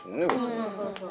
そうそうそう。